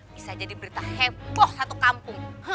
bisa jadi berita heboh satu kampung